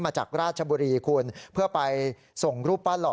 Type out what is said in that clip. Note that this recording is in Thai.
มาจากราชบุรีคุณเพื่อไปส่งรูปปั้นหล่อ